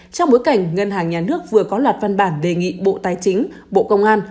trong bối cảnh ngân hàng nhà nước vừa có loạt văn bản đề nghị bộ tài chính bộ công an